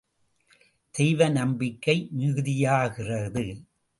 தெய்வ நம்பிக்கை மிகுதியாகிறது.